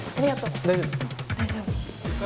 大丈夫。